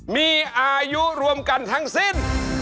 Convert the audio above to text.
มีอายุรวมกันทั้งสิ้น